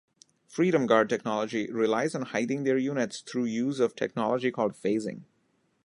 Freedom Guard technology relies on hiding their units through use of technology called phasing.